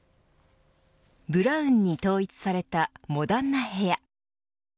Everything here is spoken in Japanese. ブラウンに統一されたモダンな部屋。